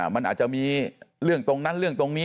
มันอาจจะมีเรื่องตรงนั้นเรื่องตรงนี้